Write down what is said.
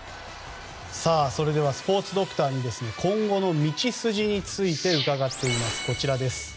スポーツドクターに今後の道筋について伺っています。